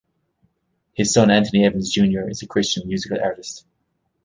His son Anthony Evans Junior is a Christian musical artist.